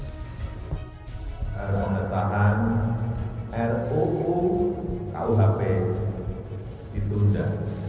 pengesahan ruu kuhp ditunda